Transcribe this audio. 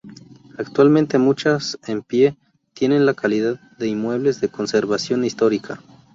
Actualmente muchas en pie, tienen la calidad de Inmuebles de Conservación Histórica.